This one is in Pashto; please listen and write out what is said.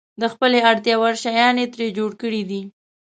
د خپلې اړتیا وړ شیان یې ترې جوړ کړي دي.